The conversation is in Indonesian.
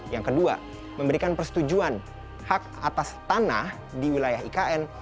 yang kedua memberikan persetujuan hak atas tanah di wilayah ikn